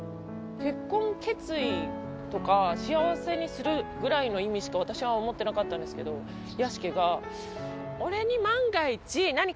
「結婚決意」とか「幸せにする」ぐらいの意味しか私は思ってなかったんですけど屋敷が。